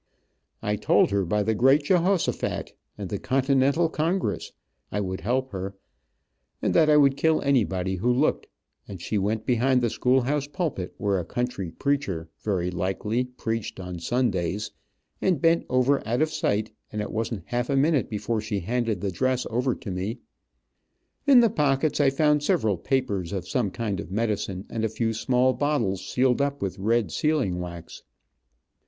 I told her by the great Jehosephat, and the continental congress, I would help her, and that I would kill anybody who looked, and she went behind the schoolhouse pulpit, where a country preacher, very likely, preached on Sundays, and bent over out of sight, and it wasn't half a minute before she handed the dress over to me. In the pockets I found several papers of some kind of medicine, and a few small bottles, sealed up with red sealing wax.